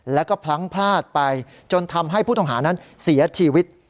แล้วก็พลั้งพลาดไปจนทำให้ผู้ต้องหานั้นเสียชีวิต